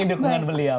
ini dukungan beliau